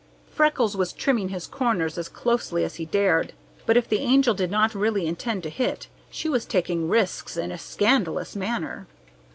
Freckles was trimming his corners as closely as he dared, but if the Angel did not really intend to hit, she was taking risks in a scandalous manner.